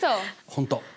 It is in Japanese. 本当。